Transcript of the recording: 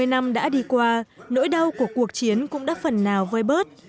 bảy mươi năm đã đi qua nỗi đau của cuộc chiến cũng đã phần nào vơi bớt